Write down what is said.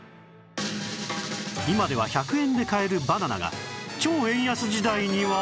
今では１００円で買えるバナナが超円安時代には